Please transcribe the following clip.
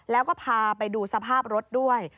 แล้วก็พาไปดูสภาพรถด้วย